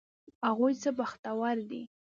هغوی څه بختور دي!